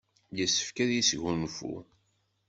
Yessefk ad yesgunfu.